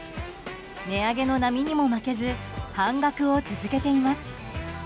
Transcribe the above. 値上げの波にも負けず半額を続けています。